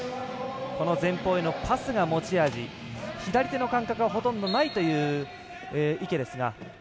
前方へのパスが持ち味左手の感覚はほとんどないという池。